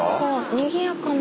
にぎやかな。